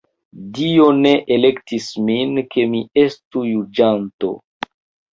Dio ne elektis min, ke mi estu juĝanto.